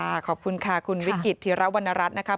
ขอบคุณค่ะคุณวิกฤตธีรวรรณรัฐนะครับ